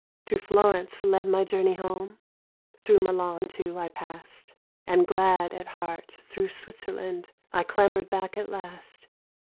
"Through Florence led my journey home, Through Milan, too, I passed; And glad at heart, through Switzerland I clambered back at last.